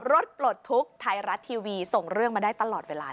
ปลดทุกข์ไทยรัฐทีวีส่งเรื่องมาได้ตลอดเวลาเลย